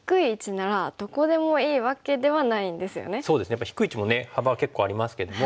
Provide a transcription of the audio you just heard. やっぱり低い位置もね幅結構ありますけども。